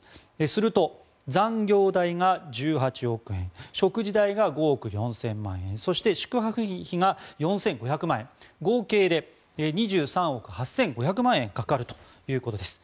すると、残業代が１８億円食事代が５億４０００万円そして宿泊費が４５００万円合計で２３億８５００万円かかるということです。